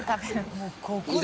もうここで。